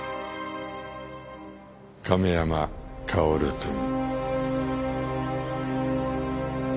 亀山薫くん。